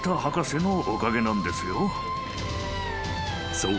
［そう。